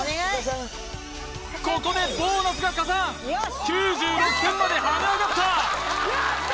ここでボーナスが加算９６点まで跳ね上がった！